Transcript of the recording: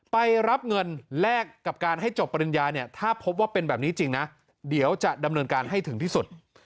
ไปรับเงินแลกกับการให้จบปริญญาเนี่ยถ้าพบว่าเป็นแบบนี้จริงนะเดี๋ยวจะดำเนินการให้ถึงที่สุด